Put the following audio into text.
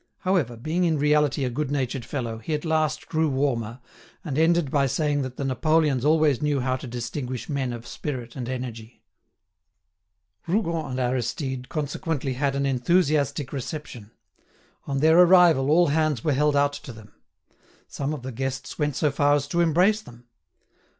However, being in reality a good natured fellow, he at last grew warmer, and ended by saying that the Napoleons always knew how to distinguish men of spirit and energy. Rougon and Aristide consequently had an enthusiastic reception; on their arrival all hands were held out to them. Some of the guests went so far as to embrace them.